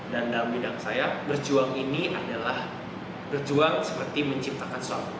dan dalam bidang saya berjuang ini adalah berjuang seperti menciptakan suatu